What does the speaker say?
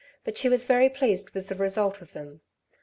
But she was very pleased with the result of them.